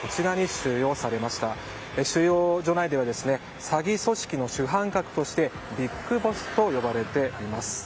収容所内では詐欺組織の主犯格としてビッグボスと呼ばれています。